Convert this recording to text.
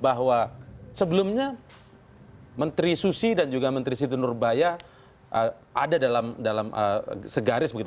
bahwa sebelumnya menteri susi dan juga menteri siti nurbaya ada dalam segaris begitu